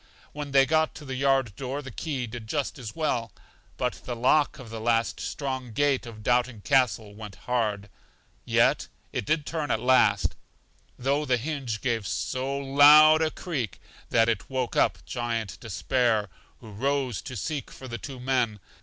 When they got to the yard door the key did just as well; but the lock of the last strong gate of Doubting Castle went hard, yet it did turn at last, though the hinge gave so loud a creak that it woke up Giant Despair, who rose to seek for the two men.